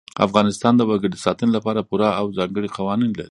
افغانستان د وګړي د ساتنې لپاره پوره او ځانګړي قوانین لري.